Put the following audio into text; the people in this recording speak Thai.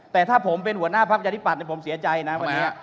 แต่ถ้าผมเป็นหัวหน้าพักประชาธิปัตย์ผมเสียใจนะวันนี้